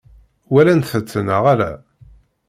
Walant-tt neɣ ala?